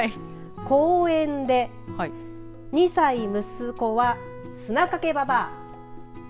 公園で２歳息子は砂かけばばあ